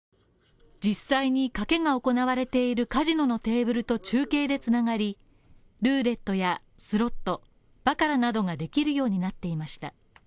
実際に賭けが行われているカジノテーブルと中継で繋がり、ルーレットやスロット、バカラなどができるようになっていました。